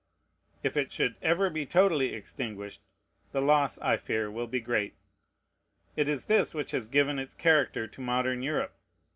If it should ever be totally extinguished, the loss, I fear, will be great. It is this which has given its character to modern Europe.